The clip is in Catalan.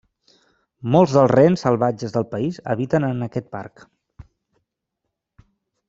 Molts dels rens salvatges del país, habiten en aquest parc.